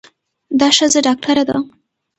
دا ښځه ډاکټره ده.